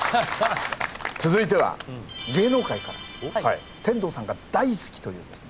続いては芸能界から天童さんが大好きというですね